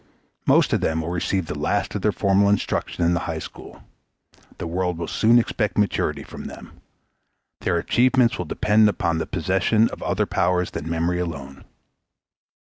Most of them will receive the last of their formal instruction in the high school. The world will soon expect maturity from them. Their achievements will depend upon the possession of other powers than memory alone.